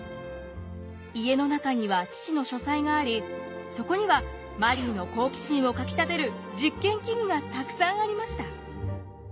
家の中には父の書斎がありそこにはマリーの好奇心をかきたてる実験器具がたくさんありました。